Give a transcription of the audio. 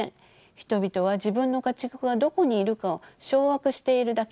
人々は自分の家畜がどこにいるかを掌握しているだけです。